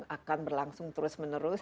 akan berlangsung terus menerus